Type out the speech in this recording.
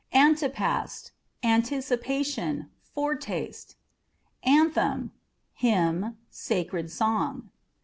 Antepast â€" anticipation, foretaste. Anthem â€" hymn, sacred song.